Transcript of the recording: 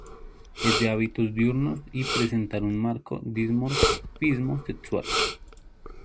Es de hábitos diurnos y presenta un marcado dimorfismo sexual.